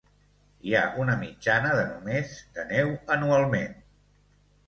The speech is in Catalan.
Hi ha una mitjana de només de neu anualment.